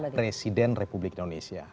tapi juga presiden republik indonesia